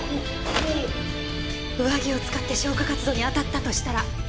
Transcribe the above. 上着を使って消火活動に当たったとしたら？